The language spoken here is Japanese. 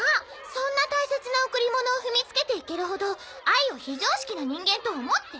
そんな大切な贈りものを踏みつけて行けるほどあいを非常識な人間と思って？